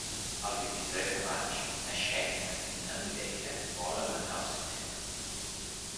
El vint-i-tres de maig na Xènia i na Mireia volen anar al cinema.